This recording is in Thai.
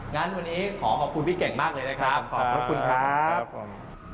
งั้นวันนี้ขอขอบคุณพี่เก่งมากเลยนะครับขอบคุณครับขอบคุณครับขอบคุณครับ